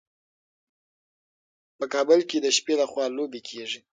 په کابل کې د شپې لخوا لوبې کیږي.